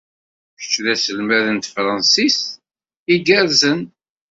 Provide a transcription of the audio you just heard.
Kečč d aselmad n tefṛansit igerrzen.